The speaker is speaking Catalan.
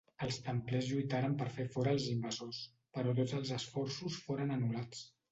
Els templers lluitaren per fer fora els invasors, però tots els esforços foren anul·lats.